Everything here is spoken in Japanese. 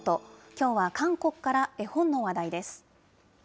きょうは韓国から絵本の話題です。